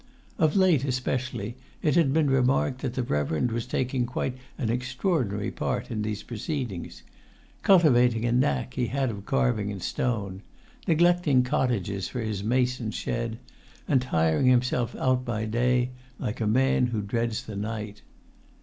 Of late, especially, it had been remarked that the rev[Pg 48]erend was taking quite an extraordinary part in these proceedings: cultivating a knack he had of carving in stone; neglecting cottages for his mason's shed; and tiring himself out by day like a man who dreads the night.